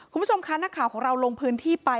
คุณผู้ชมคะนักข่าวของเราลงพื้นที่ไป